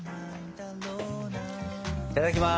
いただきます！